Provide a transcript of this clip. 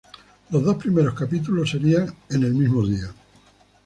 Los dos primeros capítulos serían en el mismo día.